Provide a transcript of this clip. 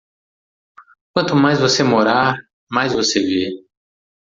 Quanto mais você morar, mais você vê.